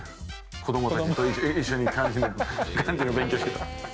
子どもたちと一緒に漢字の勉強してた。